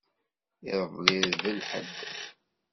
Iḍelli d lḥedd.